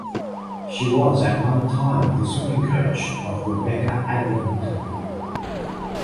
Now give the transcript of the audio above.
She was at one time the swimming coach of Rebecca Adlington.